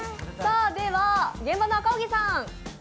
現場の赤荻さん。